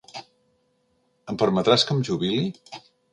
Hem permetràs que em jubili?